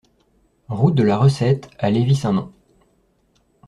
Route de la Recette à Lévis-Saint-Nom